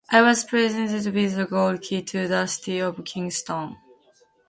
I was presented with the gold key to the city of Kingston.